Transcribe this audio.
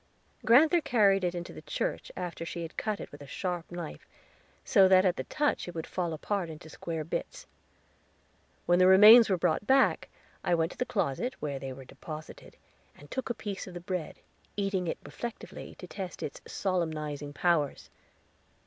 Grand'ther carried it into the church after she had cut it with a sharp knife so that at the touch it would fall apart into square bits. When the remains were brought back, I went to the closet, where they were deposited, and took a piece of the bread, eating it reflectively, to test its solemnizing powers.